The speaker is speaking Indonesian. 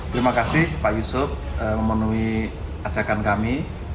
terima kasih pak yusuf memenuhi ajakan kami